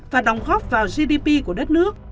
và đóng góp vào gdp của đất nước